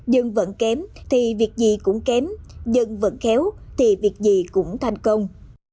dân vận kém thì việc gì cũng kém dân vẫn khéo thì việc gì cũng thành công